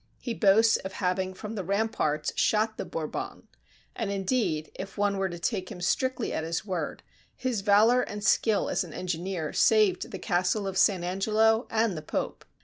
He boasts of having from the ramparts shot the Bourbon; and indeed, if one were to take him strictly at his word, his valor and skill as an engineer saved the castle of San Angelo and the Pope.